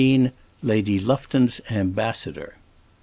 LADY LUFTON'S AMBASSADOR.